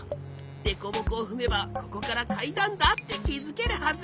デコボコをふめばここからかいだんだってきづけるはず！